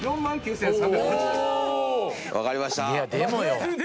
分かりました。